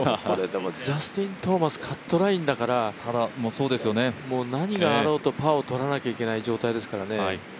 ジャスティン・トーマス、カットラインだから何があろうとパーをとらないといけない状態ですからね。